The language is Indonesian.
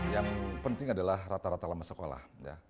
yang penting adalah rata rata lama sekolah